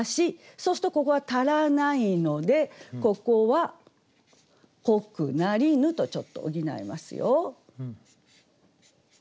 そうするとここが足らないのでここは「濃くなりぬ」とちょっと補いますよ。